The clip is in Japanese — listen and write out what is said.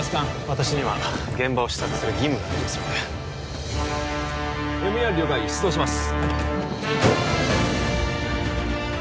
私には現場を視察する義務がありますのでＭＥＲ了解出動します